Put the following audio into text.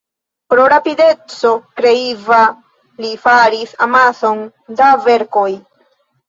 Pro rapideco kreiva li faris amason da verkoj.